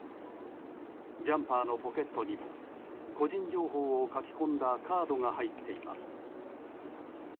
ジャンパーのポケットにも個人情報を書き込んだカードが入っています。